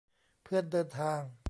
เพื่อนเดินทาง